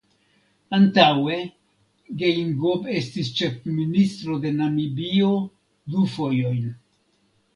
Antaŭe Geingob estis ĉefministro de Namibio du fojojn.